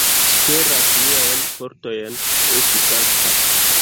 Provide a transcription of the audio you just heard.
Superas miajn fortojn esti sankta.